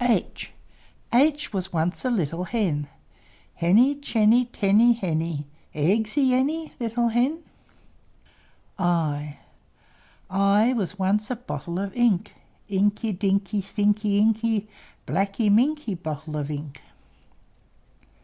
H h H was once a little hen, Henny, Chenny, Tenny, Henny. Eggsy any, Little hen? I i I was once a bottle of ink Inky, Dinky, Thinky, Inky, Blacky minky, Bottle of ink!